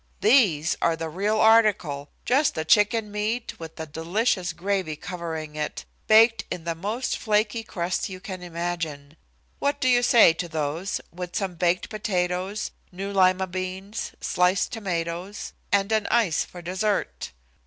These are the real article just the chicken meat with a delicious gravy covering it, baked in the most flaky crust you can imagine. What do you say to those, with some baked potatoes, new lima beans, sliced tomatoes and an ice for dessert?"